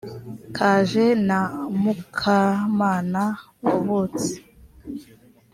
kaje na mukamana wavutse